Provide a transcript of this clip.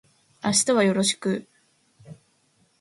明日はよろしく